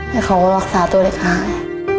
ให้เขารักษาตัวอีกครั้ง